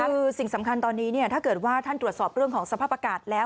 คือสิ่งสำคัญตอนนี้ถ้าเกิดว่าท่านตรวจสอบเรื่องของสภาพอากาศแล้ว